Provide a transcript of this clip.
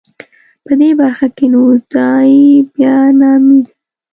په دې برخه کې نو دای بیا نامي و.